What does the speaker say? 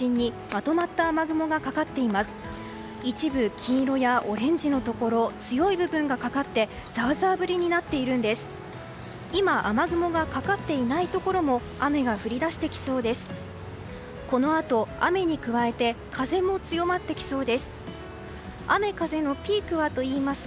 今、雨雲がかかっていないところも雨が降り出してきそうです。